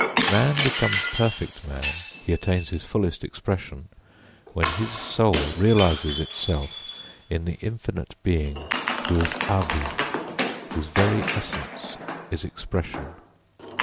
Man becomes perfect man, he attains his fullest expression, when his soul realises itself in the Infinite being who is Āvih whose very essence is expression.